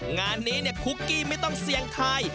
งานนี้คุกกี้ไม่ต้องเสี่ยงทาย